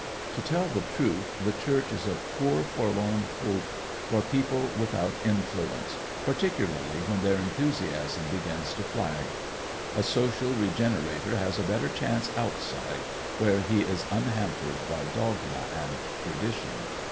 ... To tell the truth, the Church is a poor forlorn hope for people without influence, particularly when their enthusiasm begins to flag. A social regenerator has a better chance outside, where he is unhampered by dogma and tradition.